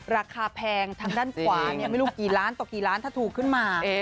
แพงทางด้านขวาไม่รู้กี่ล้านต่อกี่ล้านถ้าถูกขึ้นมา